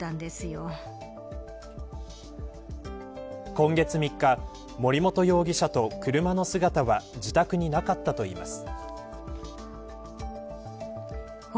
今月３日森本容疑者と車の姿は自宅になかったといいます。